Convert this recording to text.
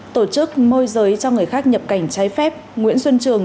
tổ chức môi giới cho người khác nhập cảnh trái phép nguyễn xuân trường